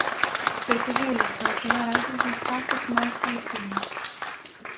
Percorrelos para chegar a outros espazos máis conscientes.